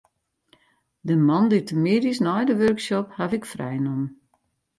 De moandeitemiddeis nei de workshop haw ik frij nommen.